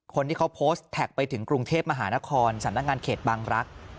คนที่เขาโพสต์แท็กไปถึงกรุงเทพมหานครสำนักงานเขตบางรักษ์